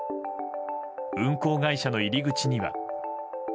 運航会社の入り口には。